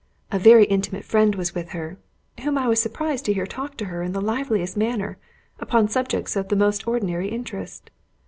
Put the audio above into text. A very intimate friend was with her, whom I was surprised to hear talk to her in the liveliest manner, upon subjects of the most ordinary interest.